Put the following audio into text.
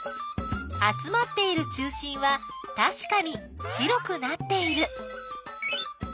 集まっている中心はたしかに白くなっている。